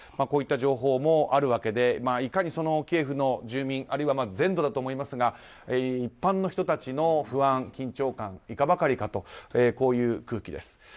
こういった情報もあるわけでいかにキエフの住民あるいは全土だと思いますが一般の人たちの不安、緊張感いかばかりかとこういう空気です。